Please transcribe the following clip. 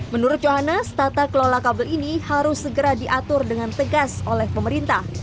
menurut johannes tata kelola kabel ini harus segera diatur dengan tegas oleh pemerintah